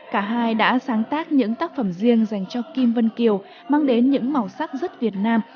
cả hai đã sáng tác những tác phẩm riêng dành cho kim vân kiều mang đến những màu sắc rất việt nam